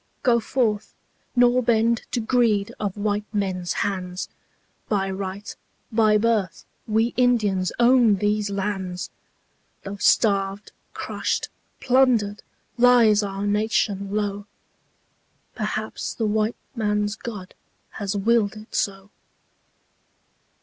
Go forth, nor bend to greed of white men's hands, By right, by birth we Indians own these lands, Though starved, crushed, plundered, lies our nation low... Perhaps the white man's God has willed it so.